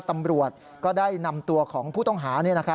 ตำรวจก็ได้นำตัวของผู้ต้องหา